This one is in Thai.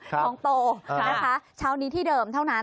ท้องโตนะคะเช้านี้ที่เดิมเท่านั้น